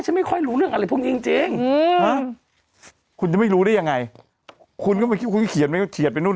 จริงเรื่องบรูปจรรยายแรกของแกนี่เติ้ลแกร่งสุดนุ่ม